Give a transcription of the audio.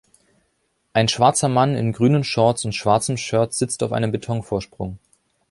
Ein schwarzer Mann in grünen Shorts und schwarzem Shirt sitzt auf einem Beton-Vorsprung.